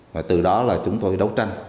và từ đó là chúng tôi đấu tranh